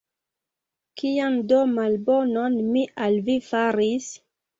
Kian do malbonon mi al vi faris?